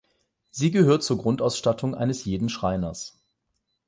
Sie gehört zur Grundausstattung eines jeden Schreiners.